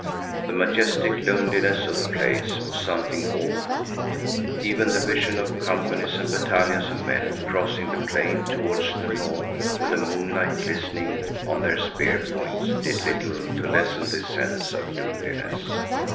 The majestic loneliness of the place was something awful. Even the vision of companies and battalions of men crossing the plain towards the north with the moonlight glistening on their spear points, did little to lessen this sense of loneliness.